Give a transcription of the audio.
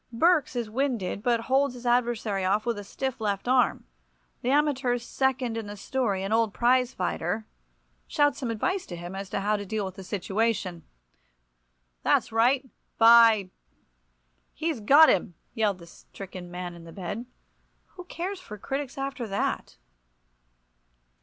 Berks is winded, but holds his adversary off with a stiff left arm. The amateur's second in the story, an old prize fighter, shouts some advice to him as to how to deal with the situation. "That's right. By —— he's got him!" yelled the stricken man in the bed. Who cares for critics after that?